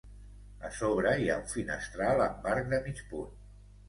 A sobre hi ha un finestral amb arc de mig punt.